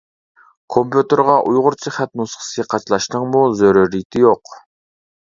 كومپيۇتېرغا ئۇيغۇرچە خەت نۇسخىسى قاچىلاشنىڭمۇ زۆرۈرىيىتى يوق.